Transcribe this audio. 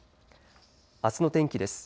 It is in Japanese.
あすの天気です。